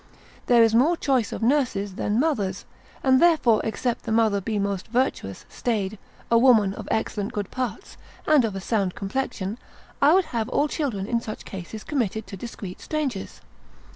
There is more choice of nurses than mothers; and therefore except the mother be most virtuous, staid, a woman of excellent good parts, and of a sound complexion, I would have all children in such cases committed to discreet strangers.